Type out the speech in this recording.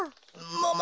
もも